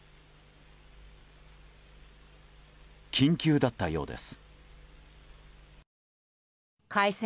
緊急だったようです。